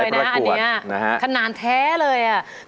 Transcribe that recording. สายปรากวดอันนี้อะนะฮะขนาดแท้เลยอะ